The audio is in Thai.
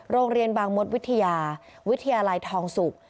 โรงเรียนบางมดวิทยาวิทยาลัยทองสุก